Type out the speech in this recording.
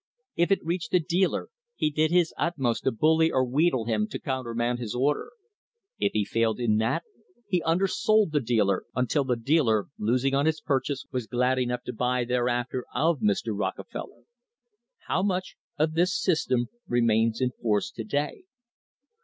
If it reached a dealer, he did his utmost to bully or wheedle him to countermand his order. If he failed in that, he under sold until the dealer, losing on his purchase, was glad enough to buy thereafter of Mr. Rockefeller. How much of this sys tem remains in force to day?